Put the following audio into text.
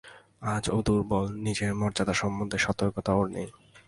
আজ ও দুর্বল, নিজের মর্যাদা সম্বন্ধে সতর্কতা ওর নেই।